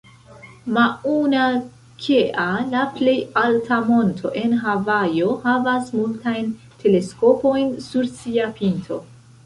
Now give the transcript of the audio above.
Mauna Kea, la plej alta monto en Havajo, havas multajn teleskopojn sur sia pinto.